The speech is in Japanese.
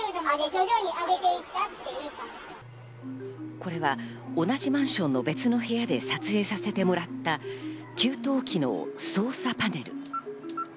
これは同じマンションの別の部屋で撮影させてもらった給湯器の操作パネル。